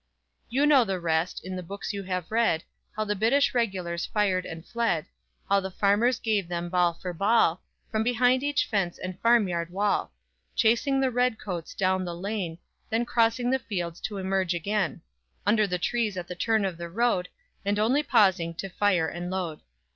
_ _"You know the rest, in the books you have read, How the British regulars fired and fled How the farmers gave them ball for ball, From behind each fence and farm yard wall, Chasing the 'Red Coats' down the lane, Then crossing the fields to emerge again, Under the trees at the turn of the road, And only pausing to fire and load.